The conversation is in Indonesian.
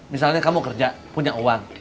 misalnya kamu kerja punya uang